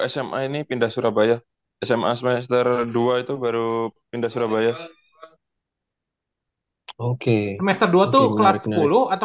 sma ini pindah surabaya sma semester dua itu baru pindah surabaya oke semester dua tuh kelas sepuluh atau